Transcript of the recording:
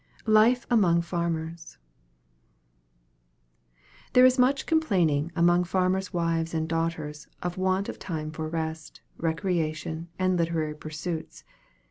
LIFE AMONG FARMERS. There is much complaint among farmers' wives and daughters, of want of time for rest, recreation, and literary pursuits.